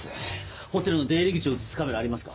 ホテルの出入り口を写すカメラありますか？